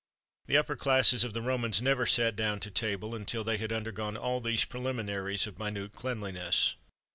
[XXXV 3] The upper classes of the Romans never sat down to table until they had undergone all these preliminaries of minute cleanliness.